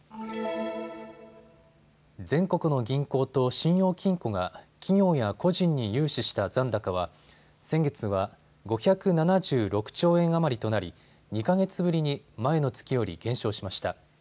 全国の銀行と信用金庫が企業や個人に融資した残高は先月は５７６兆円余りとなり２か月ぶりに前の月より減少しました。